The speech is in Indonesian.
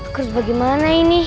terus bagaimana ini